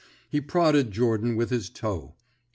He prodded Jordan with his toe.